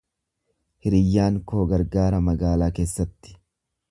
Hiriyyaan koo gargaara magaalaa keessatti.